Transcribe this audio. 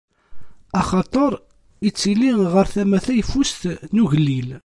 Axaṭer ittili ɣer tama tayeffust n ugellil.